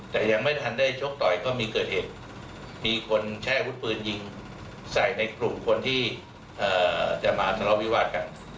แต่ยังไม่ทันได้ชกต่อยก็มีเกิดเหตุมีคนใช้อาวุธปืนยิงใส่ในกลุ่มคนที่จะมาทะเลาะวิวาสกัน